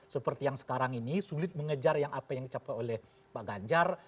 seperti yang sekarang ini sulit mengejar yang apa yang dicapai oleh pak ganjar